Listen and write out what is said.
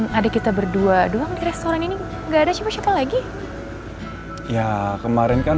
saya akan selesai temuk regie disini gimana